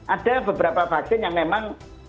ada beberapa vaksin yang memang